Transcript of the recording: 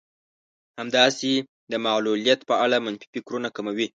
همداسې د معلوليت په اړه منفي فکرونه کموي.